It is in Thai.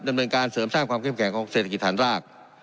ดำเนินการเสริมสร้างความเข้มแข็งของเศรษฐกิจฐานราก